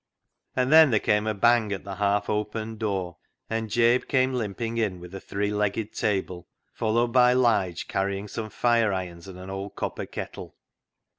And then there came a bang at the half opened door, and Jabe came limping in with a three legged table, followed by Lige carrying some fire irons and an old copper kettle.